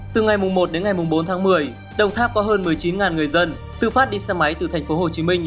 từ ngày một đến ngày bốn tháng một mươi đồng tháp có hơn một mươi chín người dân tự phát đi xe máy từ thành phố hồ chí minh